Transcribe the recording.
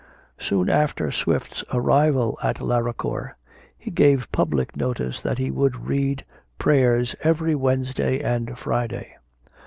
Soon after Swift's arrival at Laracor, he gave public notice that he would read prayers every Wednesday and Friday.